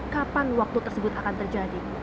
kapan waktu tersebut akan terjadi